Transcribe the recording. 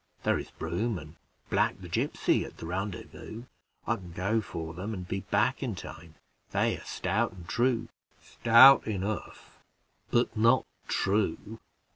There is Broom, and Black the gipsy, at the rendezvous. I can go for them, and be back in time; they are stout and true." "Stout enough, but not true.